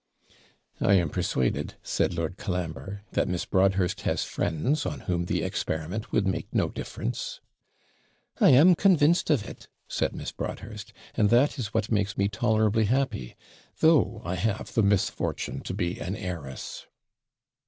'I am persuaded,' said Lord Colambre, 'that Miss Broadhurst has friends on whom the experiment would make no difference.' 'I am convinced of it,' said Miss Broadhurst; 'and that is what makes me tolerably happy, though I have the misfortune to be an heiress.'